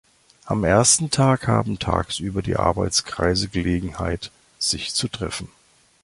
Am ersten Tag haben tagsüber die Arbeitskreise Gelegenheit, sich zu treffen.